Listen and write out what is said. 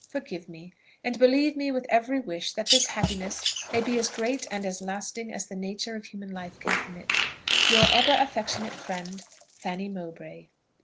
Forgive me! and believe me with every wish that this happiness may be as great and as lasting as the nature of human life can permit, "Your ever affectionate friend, "FANNY MOWBRAY."